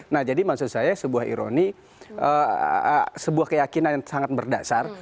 nah jadi maksud saya sebuah ironi sebuah keyakinan yang sangat berdasar